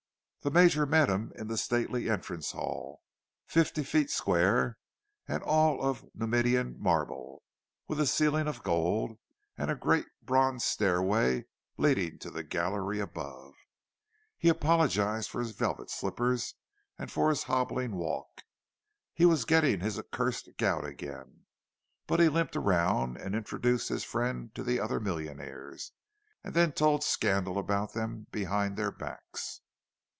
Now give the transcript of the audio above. The Major met him in the stately entrance hall, fifty feet square and all of Numidian marble, with a ceiling of gold, and a great bronze stairway leading to the gallery above. He apologized for his velvet slippers and for his hobbling walk—he was getting his accursed gout again. But he limped around and introduced his friend to the other millionaires—and then told scandal about them behind their backs.